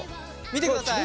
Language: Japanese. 見てください。